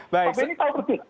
pak beni tahu persis